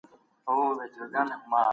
ورور مي وویل چي سافټویر انجنیري سخت کار دی.